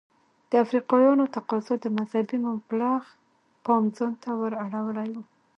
د افریقایانو تقاضا د مذهبي مبلغ پام ځانته ور اړولی و.